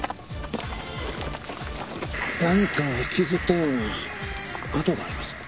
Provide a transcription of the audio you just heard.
何かを引きずったような跡があります。